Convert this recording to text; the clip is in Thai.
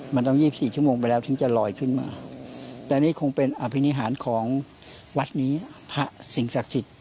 มันต้อง๒๔ชั่วโมงไปแล้วถึงจะลอยขึ้นมาแต่นี่คงเป็นอภินิหารของวัดนี้พระสิ่งศักดิ์สิทธิ์